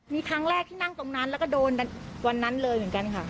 มีครั้งแรกที่นั่งตรงนั้นแล้วก็โดนวันนั้นเลยเหมือนกันค่ะ